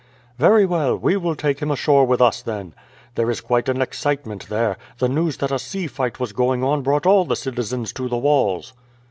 "Very well; we will take him ashore with us then. There is quite an excitement there. The news that a sea fight was going on brought all the citizens to the walls."